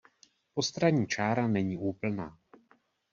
Postranní čára není úplná.